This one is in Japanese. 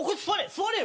座れよ。